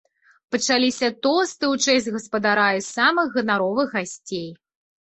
Пачаліся тосты ў чэсць гаспадара і самых ганаровых гасцей.